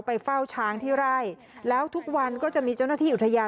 ไปเฝ้าช้างที่ไร่แล้วทุกวันก็จะมีเจ้าหน้าที่อุทยาน